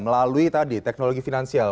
melalui tadi teknologi finansial